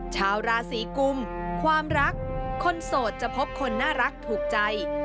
ชาวราศีกุมความรักคนโสดจะพบคนน่ารักถูกใจ